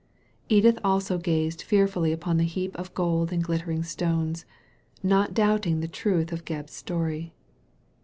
Edith also gazed fear fully upon the heap of gold and glittering stones, not doubting the truth of Gebb's story.